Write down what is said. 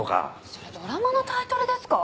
それドラマのタイトルですか？